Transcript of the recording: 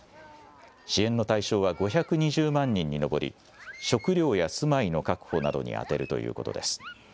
支援の対象は５２０万人に上り、食料や住まいの確保などに充てるということです。